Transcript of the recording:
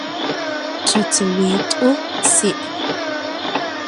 Çetıuit'u si'.